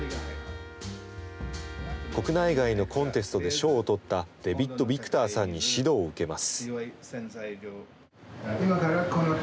国内外のコンテストで賞を取ったデビッド・ビクターさんに指導を受けます。